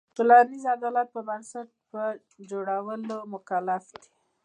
د ټولنیز عدالت پر بنسټ ټولنې په جوړولو مکلف دی.